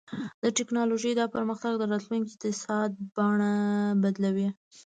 د ټیکنالوژۍ دا پرمختګونه د راتلونکي اقتصاد بڼه بدلوي.